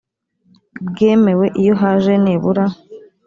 bwemewe iyo haje nibura